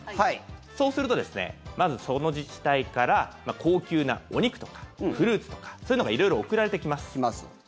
そうすると、まずその自治体から高級なお肉とかフルーツとかそういうのが色々送られてきます。